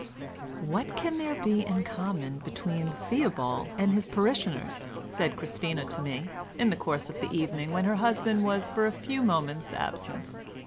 "What can there be in common between Theobald and his parishioners?" said Christina to me, in the course of the evening, when her husband was for a few moments absent.